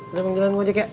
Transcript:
udah bang jelan ngajak ya